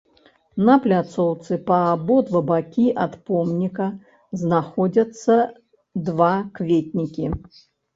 На пляцоўцы па абодва бакі ад помніка знаходзяцца два кветнікі.